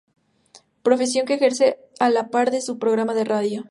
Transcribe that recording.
Profesión que ejerce a la par de su programa de radio.